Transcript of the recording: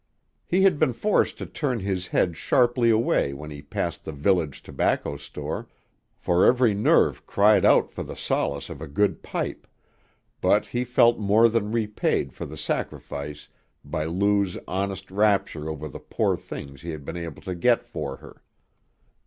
He had been forced to turn his head sharply away when he passed the village tobacco store, for every nerve cried out for the solace of a good pipe, but he felt more than repaid for the sacrifice by Lou's honest rapture over the poor things he had been able to get for her.